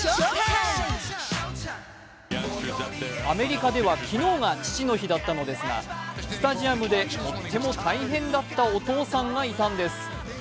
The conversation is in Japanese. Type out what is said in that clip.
アメリカでは昨日が父の日だったのですが、スタジアムで、とっても大変だったお父さんがいたんです。